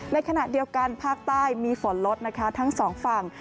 ในขณะเดียวกันภาคใต้มีฝนลดนะคะทั้งสองฝั่ง